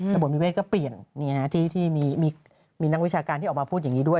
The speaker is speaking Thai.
ระบบนิเวศก็เปลี่ยนที่มีนักวิชาการที่ออกมาพูดอย่างนี้ด้วย